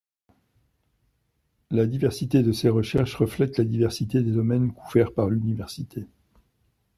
La diversité de ces recherches reflète la diversité des domaines couverts par l'université.